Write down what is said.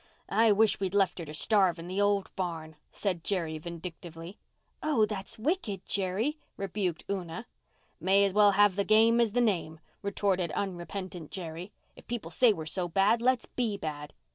"I wish we'd left her to starve in the old barn," said Jerry vindictively. "Oh, that's wicked, Jerry," rebuked Una. "May as well have the game as the name," retorted unrepentant Jerry. "If people say we're so bad let's be bad."